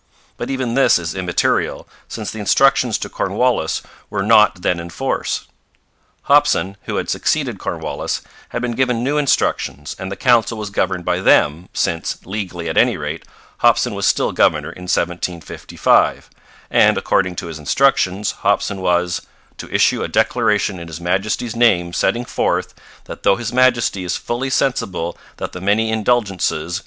But even this is immaterial, since the instructions to Cornwallis were not then in force. Hopson, who had succeeded Cornwallis, had been given new instructions, and the Council was governed by them, since, legally at any rate, Hopson was still governor in 1755; and, according to his instructions, Hopson was 'to issue a declaration in His Majesty's name setting forth, that tho' His Majesty is fully sensible that the many indulgences